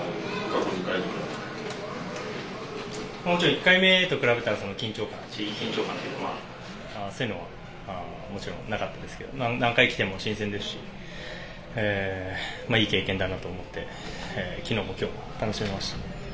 １回目と比べたら緊張感というかそういうのはもちろんなかったですけど何回来ても新鮮ですしいい経験だなと思って昨日も今日も楽しめました。